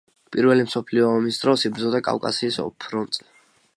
პირველი მსოფლიო ომის დროს იბრძოდა კავკასიის ფრონტზე.